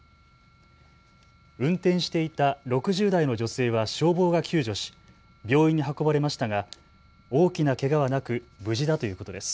運転していた６０代の女性は消防が救助し病院に運ばれましたが大きなけがはなく無事だということです。